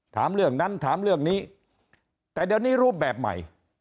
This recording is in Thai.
ถามเรื่องนั้นถามเรื่องนี้แต่เดี๋ยวนี้รูปแบบใหม่